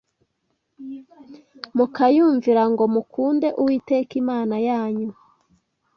mukayumvira ngo mukunde Uwiteka Imana yanyu